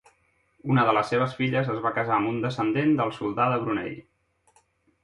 Una de les seves filles es va casar amb un descendent del soldà de Brunei.